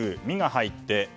「ミ」が入って。